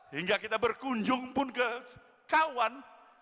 hingga kita berkunjung pun ke kawan